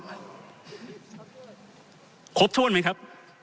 ครบถ้วนไหมครับ